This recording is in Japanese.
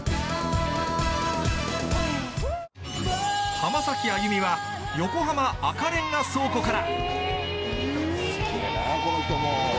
浜崎あゆみは横浜赤レンガ倉庫から